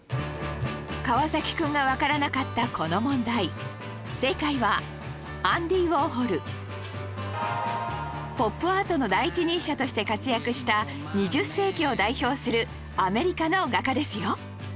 川君がわからなかったこの問題正解はポップアートの第一人者として活躍した２０世紀を代表するアメリカの画家ですよ